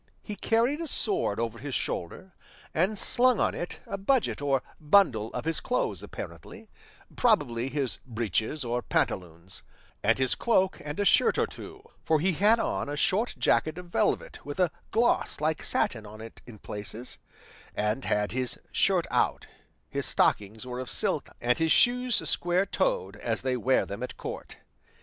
He carried a sword over his shoulder, and slung on it a budget or bundle of his clothes apparently, probably his breeches or pantaloons, and his cloak and a shirt or two; for he had on a short jacket of velvet with a gloss like satin on it in places, and had his shirt out; his stockings were of silk, and his shoes square toed as they wear them at court.